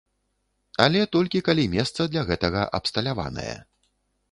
Але толькі калі месца для гэтага абсталяванае.